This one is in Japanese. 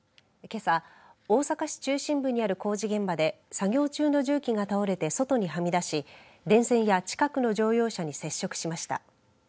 けさ、大阪市中心部にある工事現場で作業中の重機が倒れて外にはみ出し電線や近くの乗用車に接触しました。